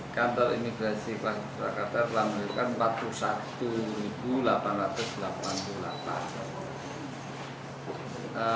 kantor imigrasi kelas satu surakarta telah mengeluarkan empat puluh satu delapan ratus delapan puluh delapan